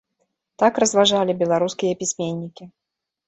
Так разважалі беларускія пісьменнікі.